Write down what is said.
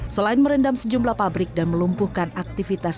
selain merendam sejumlah pabrik dan melumpuhkan aktivitas